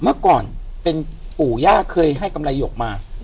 เมื่อก่อนเป็นปู่ย่าเคยให้กำไรหยกมา